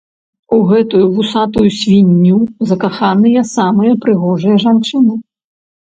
У гэтую вусатую свінню закаханыя самыя прыгожыя жанчыны.